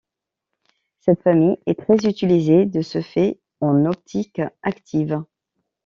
Cette famille est très utilisée de ce fait en optique active.